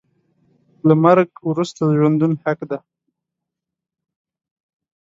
له مرګ وروسته ژوندون حق دی .